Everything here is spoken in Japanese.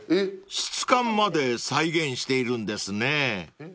［質感まで再現しているんですね］